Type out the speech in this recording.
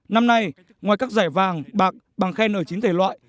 năm nay ngoài các giải vàng bạc bằng khen ở chín thể loại